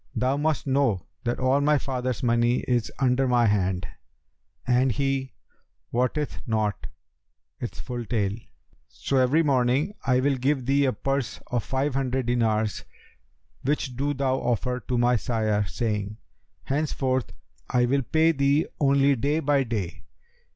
Thou must know that all my father's money is under my hand and he wotteth not its full tale; so, every morning, I will give thee a purse of five hundred dinars which do thou offer to my sire, saying, 'Henceforth, I will pay thee only day by day.'